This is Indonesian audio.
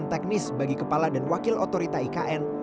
untuk menjadi landasan teknis bagi kepala dan wakil otorita ikn